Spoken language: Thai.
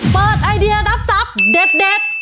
เปิดไอเดียรับทรัพย์เด็ด